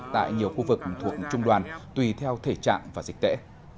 tại nhiều khu vực thuộc trung đoàn tùy theo thể trạng và dịch tễ